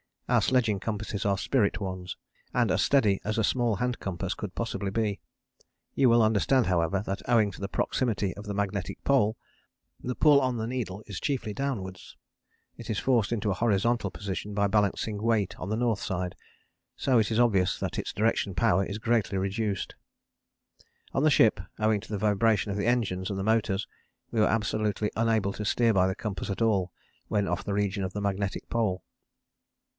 Our sledging compasses are spirit ones, and as steady as a small hand compass could possibly be. You will understand, however, that owing to the proximity of the Magnetic Pole the pull on the needle is chiefly downwards. It is forced into a horizontal position by a balancing weight on the N. side, so it is obvious that its direction power is greatly reduced. On the ship, owing to the vibration of the engines and the motors, we were absolutely unable to steer by the compass at all when off the region of the Magnetic Pole.